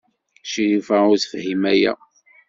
Crifa ur tefhim aya.